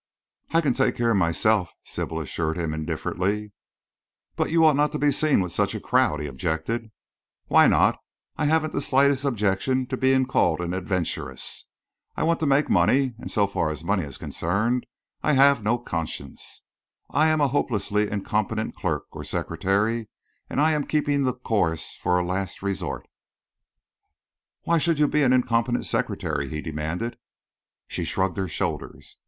"I can take care of myself," Sybil assured him indifferently. "But you ought not to be seen with such a crowd," he objected. "Why not? I haven't the slightest objection to being called an adventuress. I want to make money, and so far as money is concerned, I have no conscience. I am a hopelessly incompetent clerk or secretary, and I am keeping the chorus for a last resource." "Why should you be an incompetent secretary?" he demanded. She shrugged her shoulders.